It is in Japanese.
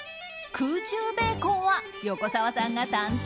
空中ベーコンは横澤さんが担当。